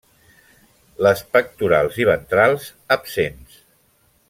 Les pectorals i ventrals, absents.